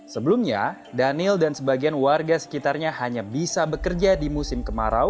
sebelumnya daniel dan sebagian warga sekitarnya hanya bisa bekerja di musim kemarau